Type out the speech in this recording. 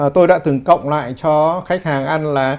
tôi đã từng cộng lại cho khách hàng ăn là